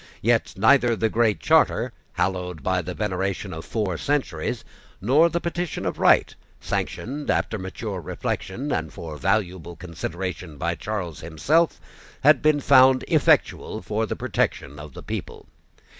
Yet neither the Great Charter, hallowed by the veneration of four centuries, nor the Petition of Right, sanctioned, after mature reflection, and for valuable consideration, by Charles himself, had been found effectual for the protection of the people.